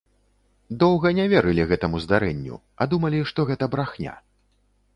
Доўга не верылі гэтаму здарэнню, а думалі, што гэта брахня.